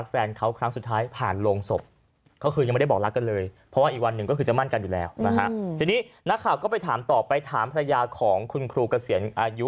แฟนเขาครั้งสุดท้ายผ่านลงศพเขาคือยังไม่ได้บอกรักกันเลย